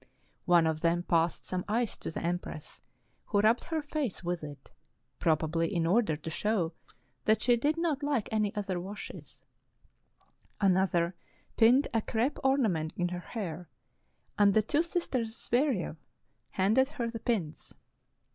One of them passed some ice to the empress, who rubbed her face with it, probably in order to show that she did not like any other washes; another pinned a crepe orna ment in her hair, and the two sisters Zvyerev handed her the pins.